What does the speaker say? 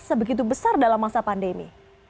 sebegitu besar dalam masa pandemi